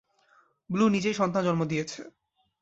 Blue নিজেই সন্তান জন্ম দিয়েছে।